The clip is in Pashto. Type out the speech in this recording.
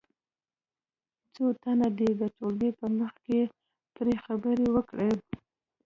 څو تنه دې د ټولګي په مخ کې پرې خبرې وکړي.